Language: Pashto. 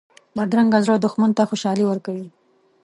بدرنګه زړه دښمن ته خوشحالي ورکوي